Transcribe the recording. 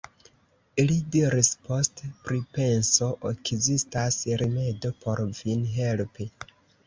li diris post pripenso: ekzistas rimedo por vin helpi.